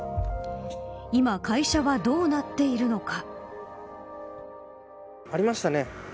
今、会社はどうなっているのか。